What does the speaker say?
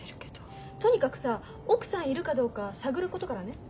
とにかくさ奥さんいるかどうか探ることからね。